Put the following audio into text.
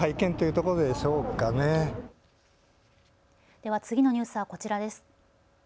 では次のニュースはこちらです。